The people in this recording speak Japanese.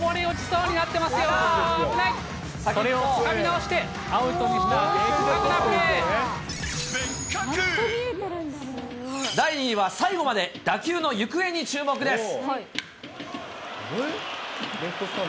それをつかみ直して、第２位は、最後まで打球の行方に注目です。